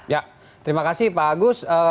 ya terima kasih pak agus